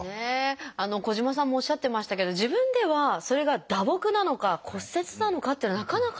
小島さんもおっしゃってましたけど自分ではそれが打撲なのか骨折なのかというのはなかなか分からないものですか？